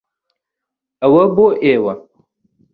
ئەوە بۆ ئێوە.